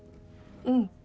うん。